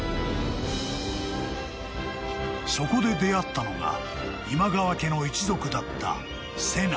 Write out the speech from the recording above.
［そこで出会ったのが今川家の一族だった瀬名］